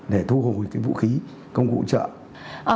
và thu hồi vũ khí công cụ hỗ trợ